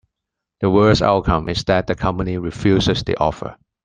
The worst outcome is that the company refuses the offer.